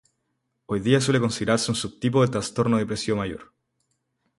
Hoy día suele considerarse un subtipo del trastorno depresivo mayor.